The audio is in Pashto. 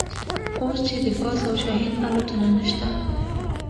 اوس چې د باز او شاهین الوتنه نشته.